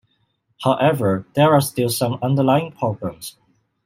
However, there are still some underlying problems.